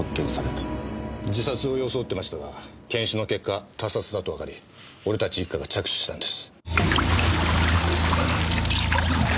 自殺を装ってましたが検視の結果他殺だとわかり俺たち一課が着手したんです。